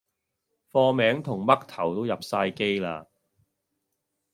貨名同嘜頭都入哂機啦